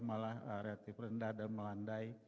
malah relatif rendah dan melandai